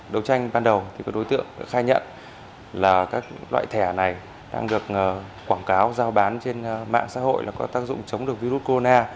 đầu tranh ban đầu thì các đối tượng khai nhận là các loại thẻ này đang được quảng cáo giao bán trên mạng xã hội là có tác dụng chống được virus corona